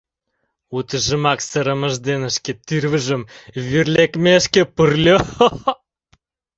Утыжымак сырымыж дене шке тӱрвыжым вӱр лекмешке пурльо.